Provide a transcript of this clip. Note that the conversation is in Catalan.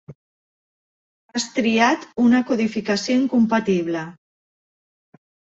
Has triat una codificació incompatible.